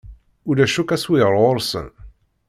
Ulac akk aswir ɣer-sen.